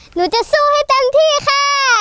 หนูจะสู้ให้เต็มที่ค่ะ